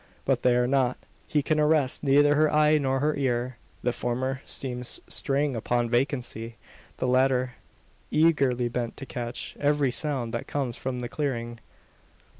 But they are not. He can arrest neither her eye nor her ear. The former seems straying upon vacancy; the latter eagerly bent to catch every sound that comes from the clearing.